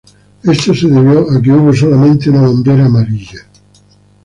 Esto se debió a que hubo solamente una bandera amarilla.